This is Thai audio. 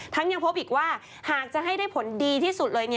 ยังพบอีกว่าหากจะให้ได้ผลดีที่สุดเลย